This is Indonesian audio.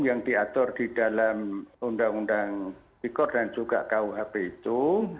yang diatur di dalam undang undang tipikor dan juga kuhp itu